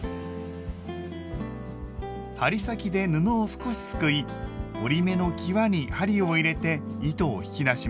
針先で布を少しすくい折り目のきわに針を入れて糸を引き出します。